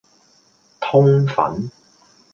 通粉